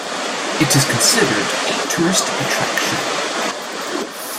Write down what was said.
It is considered a tourist attraction.